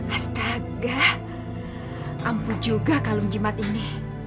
astaga ampun juga kalung jimat ini